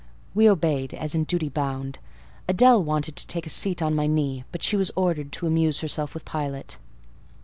We obeyed, as in duty bound; Adèle wanted to take a seat on my knee, but she was ordered to amuse herself with Pilot.